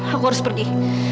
aku harus pergi